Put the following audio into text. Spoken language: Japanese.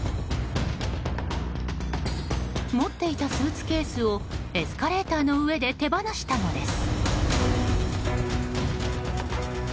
持っていたスーツケースをエスカレーターの上で手放したのです。